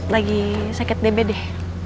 lagi sakit db deh